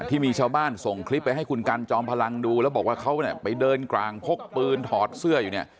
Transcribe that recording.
ที่มีชาวบ้านส่งคลิปไปให้คุณกันจอมพลังดูแล้วบอกว่าเขาเนี่ยไปเดินกลางพกปืนถอดเสื้ออยู่เนี่ย